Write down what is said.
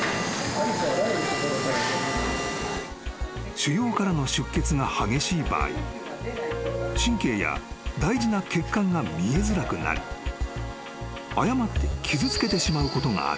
［腫瘍からの出血が激しい場合神経や大事な血管が見えづらくなり誤って傷つけてしまうことがある］